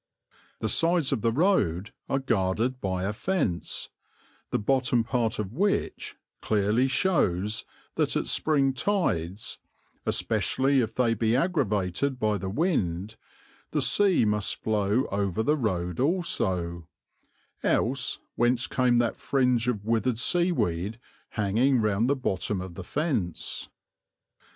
The sides of the road are guarded by a fence, the bottom part of which clearly shows that at spring tides, especially if they be aggravated by the wind, the sea must flow over the road also; else whence came that fringe of withered seaweed hanging round the bottom of the fence?